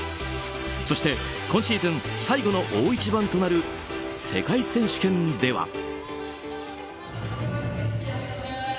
そして今シーズン最後の大一番となる世界選手権では。